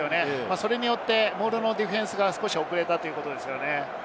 それによってモールのディフェンスが少し遅れたということです。